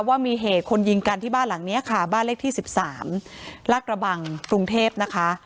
ว่ามีเหตุคนยิงกันที่บ้านหลังนี้ค่ะบ้านเลขที่๑๓ลากระบังกรุงเทพนะคะ